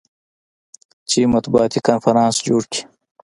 چې مطبوعاتي کنفرانس جوړ کي.